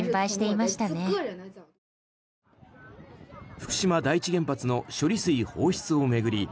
福島第一原発の処理水放出を巡り